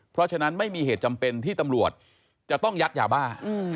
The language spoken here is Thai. เพราะฉะนั้นไม่มีเหตุจำเป็นที่ตำรวจจะต้องยัดยาบ้า